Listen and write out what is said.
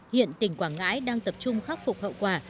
hiện tỉnh quảng ngãi đang tập trung khắc phục hậu quả